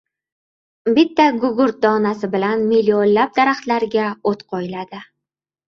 Bitta gugurt donasi bilan millionlab daraxtlarga o‘t qo‘yiladi.